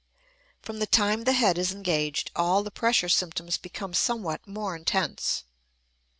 From the time the head is engaged all the pressure symptoms become somewhat more intense.